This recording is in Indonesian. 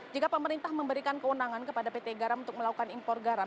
jika pemerintah memberikan kewenangan kepada pt garam untuk melakukan impor garam